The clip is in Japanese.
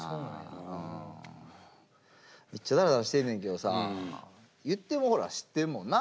めっちゃダラダラしてんねんけどさ言ってもほら知ってるもんな。